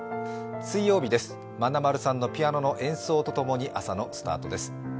水曜日です、まなまるさんのピアノの演奏とともに朝のスタートです。